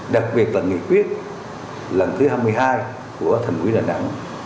đặc biệt là nghị quyết lần thứ hai mươi hai của thành quỷ đà nẵng